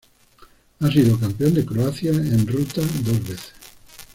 Ha sido Campeón de Croacia en Ruta dos veces.